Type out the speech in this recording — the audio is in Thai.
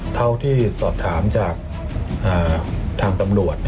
เท่าที่สอบถามจากทางตำรวจ